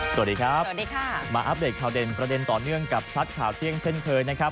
สวัสดีครับสวัสดีค่ะมาอัปเดตข่าวเด่นประเด็นต่อเนื่องกับชัดข่าวเที่ยงเช่นเคยนะครับ